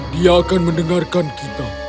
dia akan mendengarkan kita